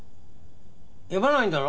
読まないんだろ？